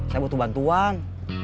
saya butuh bantuan